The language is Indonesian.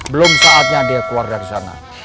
belum saatnya dia keluar dari sana